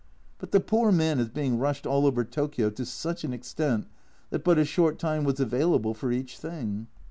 But the poor man is being rushed all over Tokio to such an extent that but a short time was available for each thing.